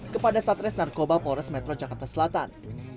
kepada satres narkoba polres metro jakarta selatan